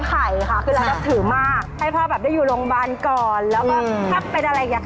ใช่แล้วก็คือแบบพูดแล้วก็ไม่มีเสียง